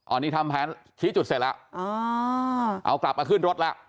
อันนี้ทำแผนชี้จุดเสร็จแล้วอ๋อเอากลับมาขึ้นรถแล้ว